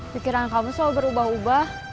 pikiran kamu selalu berubah ubah